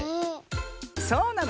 そうなのね。